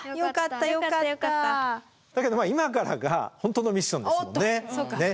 だけど今からが本当のミッションですもんね。